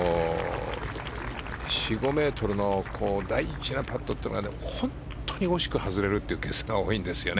４５ｍの大事なパットが本当に惜しくも外れるというケースが多いんですよね。